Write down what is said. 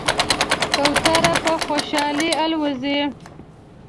کوتره په خوشحالۍ الوزي.